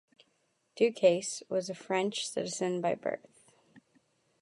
Ducasse was a French citizen by birth.